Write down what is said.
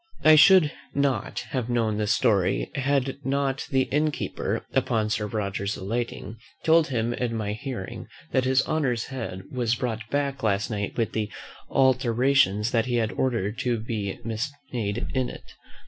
I should not have known this story had not the inn keeper, upon Sir Roger's alighting, told him in my hearing, that his honour's head was brought back last night with the alterations that he had ordered to be made in it.